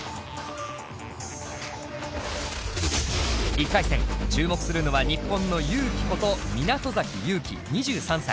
１回戦注目するのは日本のＹＵ−ＫＩこと湊崎勇樹２３歳。